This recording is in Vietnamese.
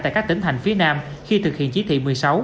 tại các tỉnh thành phía nam khi thực hiện chỉ thị một mươi sáu